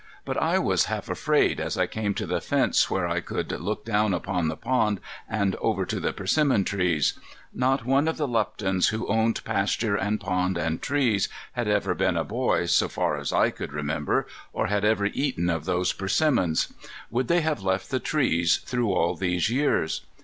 But I was half afraid as I came to the fence where I could look down upon the pond and over to the persimmon trees. Not one of the Luptons, who owned pasture and pond and trees, had ever been a boy, so far as I could remember, or had ever eaten of those persimmons. Would they have left the trees through all these years?